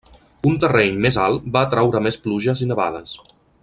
Un terreny més alt va atraure més pluges i nevades.